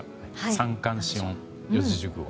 三寒四温、四字熟語。